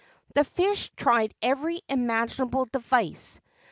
The fish tried every imaginable device.